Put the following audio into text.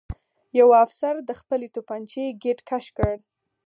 یوه افسر د خپلې توپانچې ګېټ کش کړ